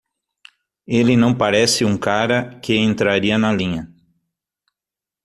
Ele não parece um cara que entraria na linha.